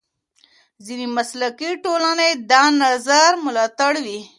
ځینې مسلکي ټولنې دا نظر ملاتړوي.